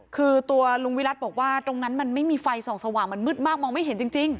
คือตัวลุงวิรัติบอกว่าตรงนั้นมันไม่มีไฟส่องสว่างมันมืดมากมองไม่เห็นจริง